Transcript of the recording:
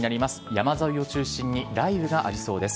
山沿いを中心に雷雨がありそうです。